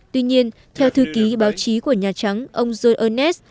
tuy nhiên theo thư ký báo chí của nhà trắng ông joe ernest